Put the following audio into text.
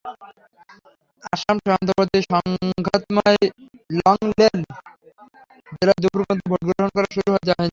আসাম সীমান্তবর্তী সংঘাতময় লংলেং জেলায় দুপুর পর্যন্ত ভোট গ্রহণ শুরু করা যায়নি।